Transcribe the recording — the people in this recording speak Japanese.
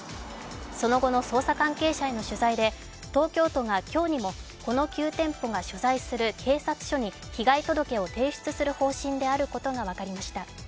その後の捜査関係者への取材で東京都が今日にもこの９店舗が所在する警察署に被害届を提出する方針であることが分かりました。